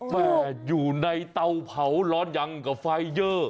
แม่อยู่ในเตาเผาร้อนยังกับไฟเยอร์